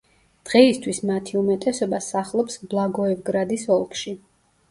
დღეისთვის მათი უმეტესობა სახლობს ბლაგოევგრადის ოლქში.